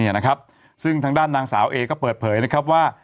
นะครับซึ่งทางด้านนางสาวเอก็เปิดเผยนะครับว่า